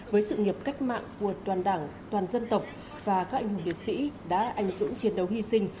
với sự nghiệp cách mạng của toàn đảng toàn dân tộc và các anh hùng liệt sĩ đã anh dũng chiến đấu hy sinh